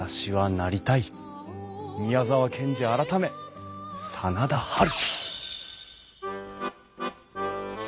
宮沢賢治改め真田ハル。